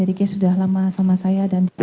riki sudah lama sama saya dan